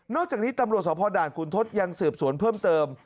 นอกจากนี้ตำรวจสดคุณทศยังเสืบสวนเพิ่มเติม